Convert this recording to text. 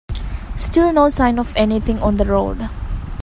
Still no sign of anything on the road.